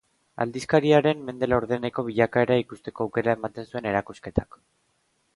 Aldizkariaren mende laurdeneko bilakaera ikusteko aukera ematen zuen erakusketak.